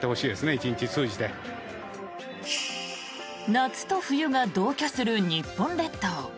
夏と冬が同居する日本列島。